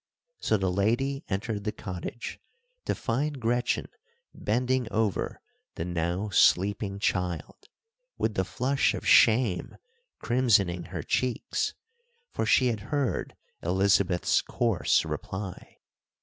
So the lady entered the cottage, to find Gretchen bending over the now sleeping child, with the flush of shame crimsoning her cheeks, for she had heard Elizabeth's coarse reply.